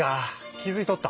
気付いとった？